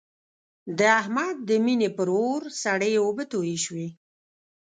د احمد د مینې پر اور سړې اوبه توی شوې.